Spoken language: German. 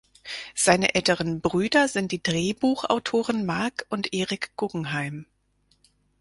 Seine älteren Brüder sind die Drehbuchautoren Marc und Eric Guggenheim.